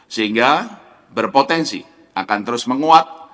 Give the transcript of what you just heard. sehingga berpotensi akan terus menguat